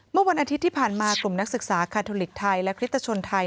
เมื่อวันอาทิตย์ที่ผ่านมากลุ่มนักศึกษาคาทอลิกไทยและคริสตชนไทย